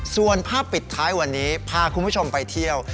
ส่วนภาพปิดท้ายวันนี้พาคุณผู้ชมไปเที่ยว